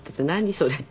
それ」って。